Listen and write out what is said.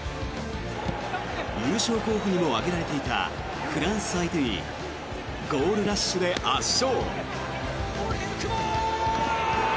優勝候補にも挙げられていたフランス相手にゴールラッシュで圧勝。